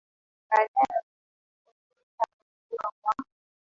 baadaye walirudishwa kwenye fursa ya kuzunguka kwa